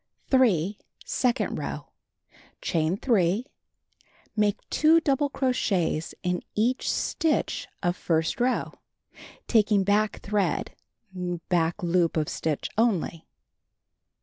3. Second row: Chain 3. Make 2 double cro chets in each stitch of first row, taking back thread (back loop of stitch) only.